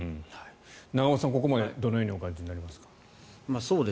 永濱さん、ここまでどのようにお感じになりますか。